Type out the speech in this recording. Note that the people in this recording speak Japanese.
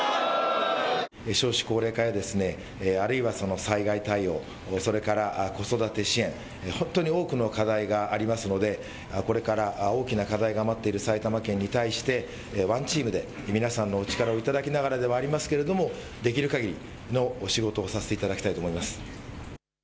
少子高齢化や、あるいは災害対応それから子育て支援、本当に多くの課題がありますのでこれから大きな課題が待っている埼玉県に対してワンチームで皆さんの力を頂きながらではありますけれどもできるかぎりのお仕事をさせていただきたいと思います。